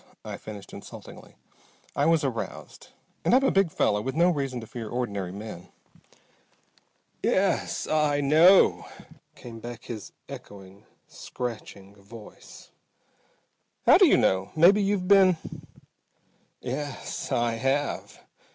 I finished insultingly. I was aroused. And I'm a big fellow, with no reason to fear ordinary men. "Yes, I know!" came back his echoing, scratching voice. "How do you know? Maybe you've been ?" "Yes, I have!"